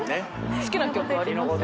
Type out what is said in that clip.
好きな曲あります？